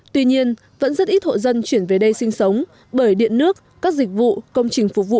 tuy nhiên vẫn rất ít hộ dân chuyển về đây sinh sống bởi điện nước các dịch vụ công trình phục vụ